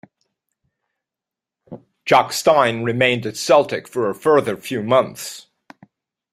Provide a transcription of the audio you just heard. Jock Stein remained at Celtic for a further few months.